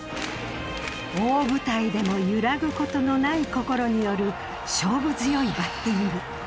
大舞台でも揺らぐ事のない心による勝負強いバッティング。